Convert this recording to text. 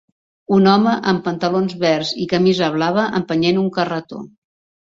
Un home amb pantalons verds i camisa blava empenyent un carretó